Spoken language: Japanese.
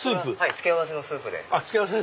付け合わせのスープで。